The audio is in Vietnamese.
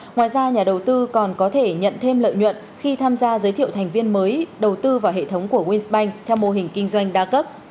ngoài ra nhà đầu tư còn có thể nhận thêm lợi nhuận khi tham gia giới thiệu thành viên mới đầu tư vào hệ thống của wins banh theo mô hình kinh doanh đa cấp